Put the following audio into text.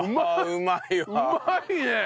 うまいね！